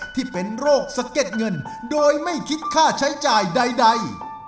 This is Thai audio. ที่เป็นโรคสะเก็ดเงินโดยไม่คิดค่าใช้จ่ายใด